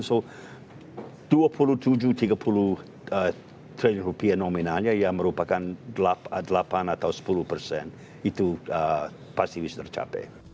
jadi dua puluh tujuh tiga puluh triliun rupiah nominannya yang merupakan delapan sepuluh itu pasti bisa tercapai